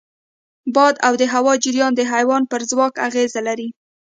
باد او د هوا جریان د حیوان پر ځواک اغېز لري.